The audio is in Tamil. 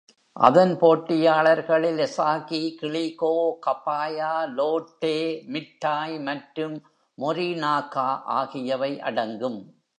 அதன் போட்டியாளர்களில் எசாகி கிளிகோ, கபயா, லோட்டே மிட்டாய் மற்றும் மொரினாகா ஆகியவை அடங்கும்.